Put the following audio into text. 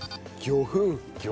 魚粉。